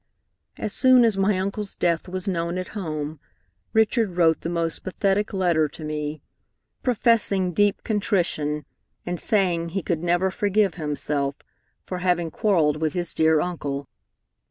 "As soon as my uncle's death was known at home, Richard wrote the most pathetic letter to me, professing deep contrition, and saying he could never forgive himself for having quarrelled with his dear uncle.